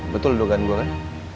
betul dogan gue kan